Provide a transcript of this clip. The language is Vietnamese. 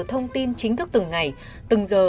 thông tin chính thức từng ngày từng giờ